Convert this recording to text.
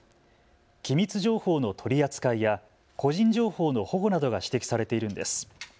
機密情報の取り扱いや個人情報の保護などが指摘されているんです。